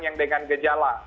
yang dengan gejala